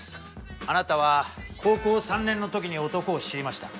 あなたは高校３年の時に男を知りました。